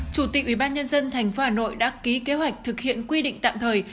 chủ tịch ubnd tp hà nội đã ký kế hoạch thực hiện quy định tạm thời